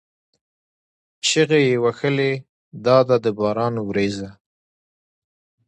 چیغې یې وهلې: دا ده د باران ورېځه!